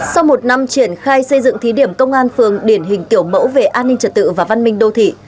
sau một năm triển khai xây dựng thí điểm công an phường điển hình kiểu mẫu về an ninh trật tự và văn minh đô thị